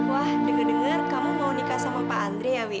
wah denger dengar kamu mau nikah sama pak andre ya wi